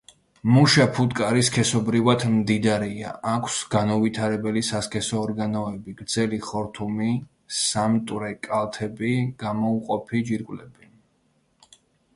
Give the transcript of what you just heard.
მუშა ფუტკარი სქესობრივად მდედრია; აქვს განუვითარებელი სასქესო ორგანოები, გრძელი ხორთუმი, სამტვრე კალთები, გამომყოფი ჯირკვლები.